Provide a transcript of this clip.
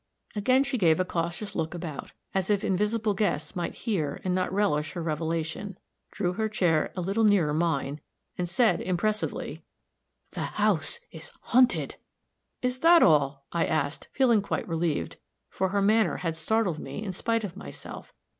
Again she gave a cautious look about, as if invisible guests might hear and not relish her revelation, drew her chair a little nearer mine, and said, impressively, "The house is haunted!" "Is that all?" I asked, feeling quite relieved, for her manner had startled me in spite of myself.